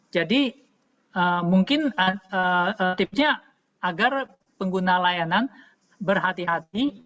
jadi mungkin tipsnya agar pengguna layanan berhati hati